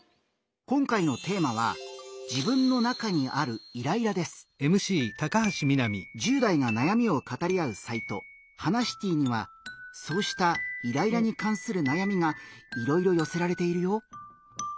今回のテーマは１０代がなやみを語り合うサイト「ハナシティ」にはそうしたイライラに関するなやみがいろいろよせられているよ。